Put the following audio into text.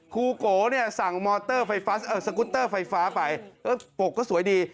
ครูโกะสั่งสกุตเตอร์ไฟฟ้าไปปกก็สวยดี